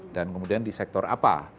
dan kemudian di sektor apa